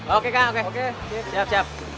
oke kak oke oke siap siap